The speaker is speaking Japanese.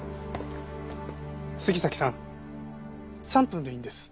杉崎さん３分でいいんです。